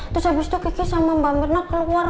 terus habis itu kiki sama mbak mirna keluar